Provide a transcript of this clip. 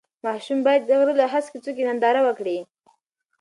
ماشومان باید د غره له هسکې څوکې ننداره وکړي.